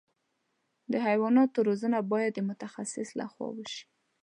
د حیواناتو روزنه باید د متخصص له خوا وشي.